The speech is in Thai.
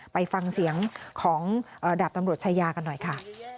ไปฟังเสียงของดาบตำรวจชายากันหน่อยค่ะ